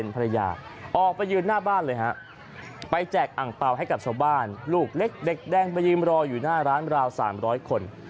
ไปแจกอังเปล่าให้กับชาวบ้านลูกเล็กเด็กแดงไปยิ้มรออยู่หน้าร้านราว๓๐๐คน